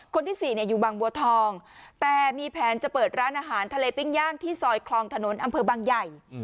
คนที่๔อยู่บางบัวทองแต่มีแผนจะเปิดร้านอาหารทะเลปิ้งย่างที่ซอยคลองถนนอำเภอบางใหญ่